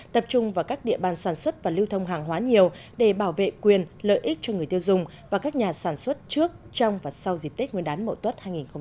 tập trung vào các địa bàn sản xuất và lưu thông hàng hóa nhiều để bảo vệ quyền lợi ích cho người tiêu dùng và các nhà sản xuất trước trong và sau dịp tết nguyên đán mậu tuất hai nghìn hai mươi